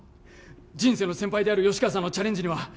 人生の先輩である吉川さんのチャレンジには